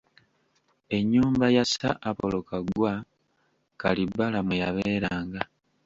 Ennyumba ya Sir Apollo Kaggwa Kalibbala mwe yabeeranga.